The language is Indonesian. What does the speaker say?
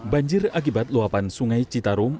banjir akibat luapan sungai citarum